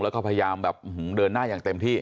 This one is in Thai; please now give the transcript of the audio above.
แล้วก็พยายามแบบเดินหน้าอย่างเต็มที่